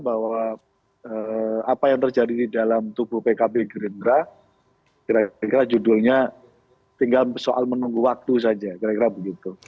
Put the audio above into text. bahwa apa yang terjadi di dalam tubuh pkb gerindra kira kira judulnya tinggal soal menunggu waktu saja kira kira begitu